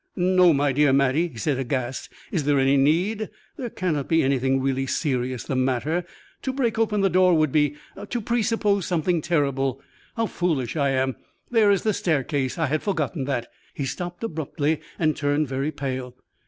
"No, my dear Mattie," he said, aghast; "is there any need? There cannot be anything really serious the matter; to break open the door would be to pre suppose something terrible. How foolish I am! There is the staircase I had forgotten that." He stopped abruptly and turned very pale.